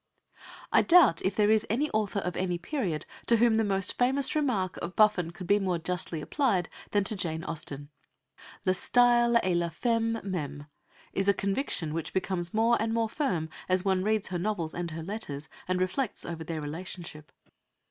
I doubt if there is any author of any period to whom the most famous remark of Buffon could be more justly applied than to Jane Austen. "Le style est la femme même" is a conviction which becomes more and more firm as one reads her novels and her letters, and reflects over their relationship.